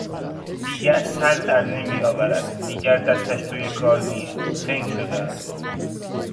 دیگر سر در نمیآورد، دیگر دستش توی کار نیست، خنگ شده است.